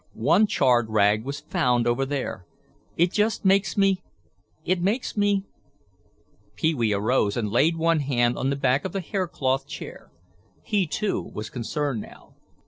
One charred rag was found over there. It just makes me—it makes me—" Pee wee arose and laid one hand on the back of the hair cloth chair. He, too, was concerned now.